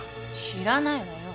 知らないわよ。